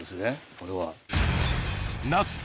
これは。